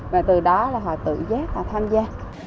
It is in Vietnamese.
và từ đó họ tự giác và tham gia